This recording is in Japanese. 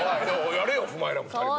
やれよお前らも２人も。